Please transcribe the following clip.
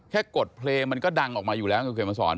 แค่กดเพลมมันก็ดังออกมาอยู่แล้วเคยมาสอน